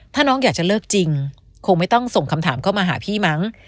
ถ้าน้องอยากจะเลิกจริงคงไม่ต้องส่งคำถามเข้ามาหาพี่มั้ง